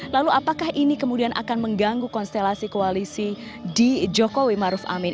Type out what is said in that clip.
lalu apakah ini kemudian akan mengganggu konstelasi koalisi di jokowi maruf amin